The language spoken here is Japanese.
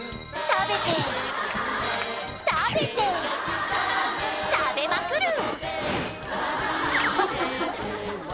食べて食べて食べまくる！